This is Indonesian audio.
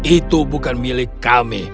itu bukan milik kami